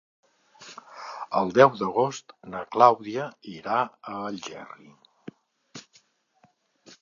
El deu d'agost na Clàudia irà a Algerri.